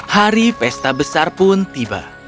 hari pesta besar pun tiba